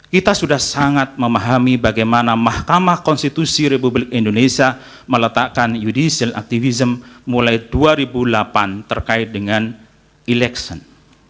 kita sudah sangat memahami bagaimana mahkamah konstitusi republik indonesia meletakkan judicial activism mulai dua ribu delapan terkait dengan election